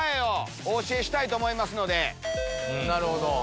なるほど！